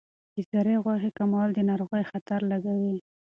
د سرې غوښې کمول د ناروغۍ خطر لږوي.